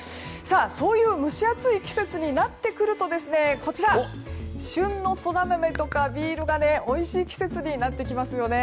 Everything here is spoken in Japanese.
そういう蒸し暑い季節になってくると旬のソラマメとかビールがおいしい季節になってきますよね。